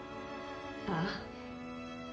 ああ。